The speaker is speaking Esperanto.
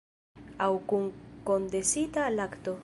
Aŭ kun kondensita lakto.